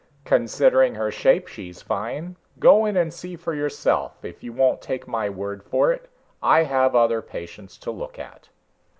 "Considering her shape, she's fine. Go in and see for yourself if you won't take my word for it. I have other patients to look at."